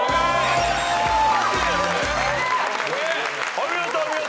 お見事お見事！